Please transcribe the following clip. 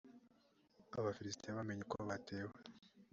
abafilisitiya bamenye ko batewe